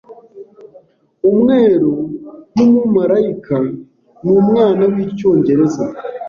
Umweru nkumumarayika numwana wicyongereza